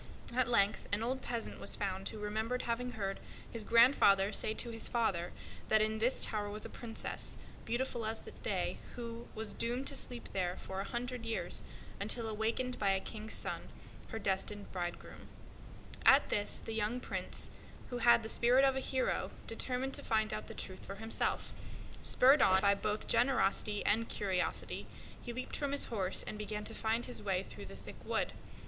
At length an old peasant was found who remembered having heard his grandfather say to his father that in this tower was a Princess, beautiful as the day, who was doomed to sleep there for one hundred years, until awakened by a king's son, who was to marry her. At this the young Prince, who had the spirit of a hero, determined to find out the truth for himself. Spurred on by love and honor, he leaped from his horse and began to force his way through the thick wood.